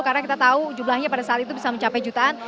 karena kita tahu jumlahnya pada saat itu bisa mencapai jutaan